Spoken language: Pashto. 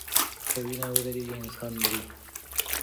که وینه ودریږي انسان مري.